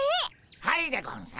はいでゴンス。